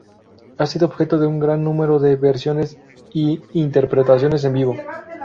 Ha sido objeto de un gran número de versiones y interpretaciones en vivo.